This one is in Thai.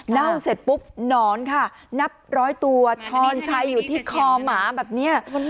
เสร็จปุ๊บหนอนค่ะนับร้อยตัวทอนชัยอยู่ที่คอหมาแบบนี้